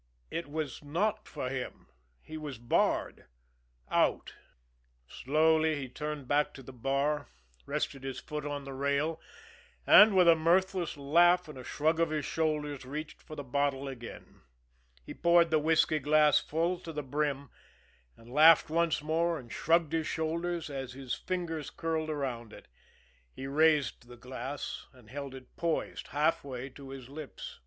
It was not for him, he was barred out. Slowly he turned back to the bar, rested his foot on the rail, and, with a mirthless laugh and a shrug of his shoulders, reached for the bottle again. He poured the whisky glass full to the brim and laughed once more and shrugged his shoulders as his fingers curled around it. He raised the glass and held it poised halfway to his lips.